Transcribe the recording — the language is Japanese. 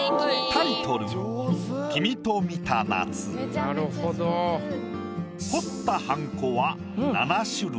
タイトル彫ったはんこは７種類。